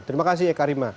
terima kasih eka rima